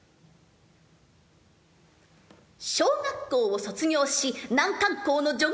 小学校を卒業し難関校の女